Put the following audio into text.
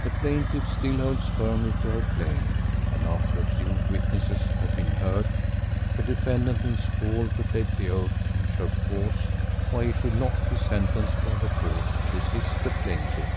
The plaintiff still holds firmly to her claim, and after a few witnesses have been heard, the defendant is called to take the oath and show cause why he should not be sentenced by the Court to assist the plaintiff.